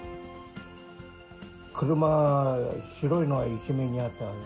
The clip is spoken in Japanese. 車、白いのが一面にあったのね。